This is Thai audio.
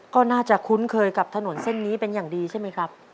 ก็น่าจะคุ้นเคยกับถนนเส้นนี้เป็นอย่างดีใช่ไหมครับ